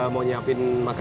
masat sampai jumpa